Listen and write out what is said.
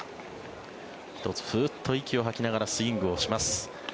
１つ、ふーっと息を吐きながらスイングをします。